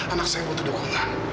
anak saya butuh dukungan